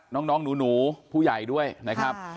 น้องหนูผู้ใหญ่ด้วยนะครับ